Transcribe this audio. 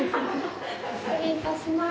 失礼いたします。